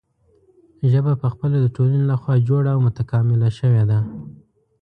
ژبه پخپله د ټولنې له خوا جوړه او متکامله شوې ده.